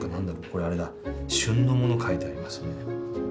これあれだ旬のもの書いてありますね。